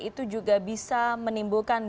itu juga bisa menimbulkan